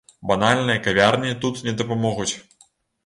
Банальныя кавярні тут не дапамогуць.